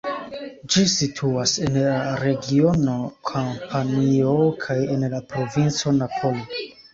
Ĝi situas en la regiono Kampanio kaj en la provinco Napolo.